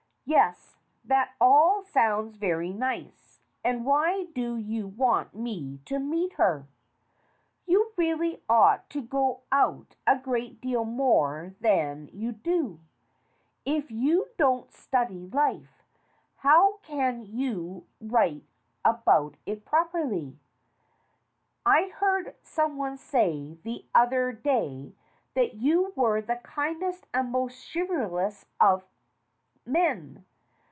"Yes, that all sounds very nice. And why do you want me to meet her?" "You really ought to go out a great deal more than you do. If you don't study life, how can you write about it properly? I heard someone say the other SOME IMITATIONS 221 day that you were the kindest and most chivalrous of men."